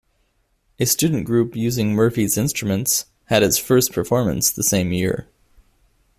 A student group using Murphy's instruments had its first performance the same year.